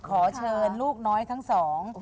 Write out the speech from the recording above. ขอเชิญลูกน้อยทั้งสอง